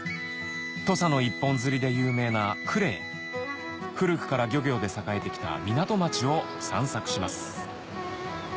『土佐の一本釣り』で有名な久礼へ古くから漁業で栄えてきた港町を散策します